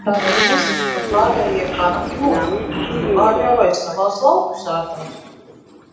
Tādēļ nezinu kur pārējie kanaki nozuda, Liepājā, vai savās lauku sētās?